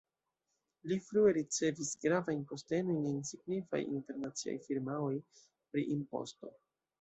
Li frue ricevis gravajn postenojn en signifaj internaciaj firmaoj pri imposto.